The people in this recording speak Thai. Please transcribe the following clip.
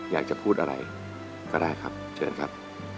อยากจะพูดอะไรก็ได้ครับเชิญครับ